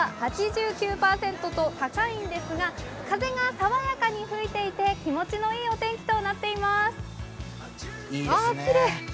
現在の気温は２３．５度、湿度は８９％と高いんですが、風が爽やかに吹いていて気持ちのいいお天気となっています。